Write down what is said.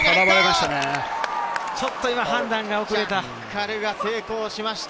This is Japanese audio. ちょっと今判断が遅れた。